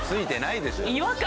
違和感